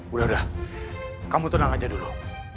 udah udah kamu tenang aja dulu